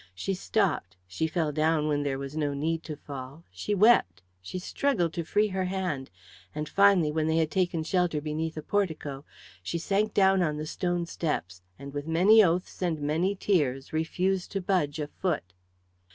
She stopped, she fell down when there was no need to fall, she wept, she struggled to free her hand, and finally, when they had taken shelter beneath a portico, she sank down on the stone steps, and with many oaths and many tears refused to budge a foot.